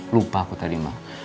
lupa aku tadi ma